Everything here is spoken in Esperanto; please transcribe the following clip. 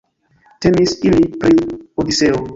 Temis ili pri Odiseo.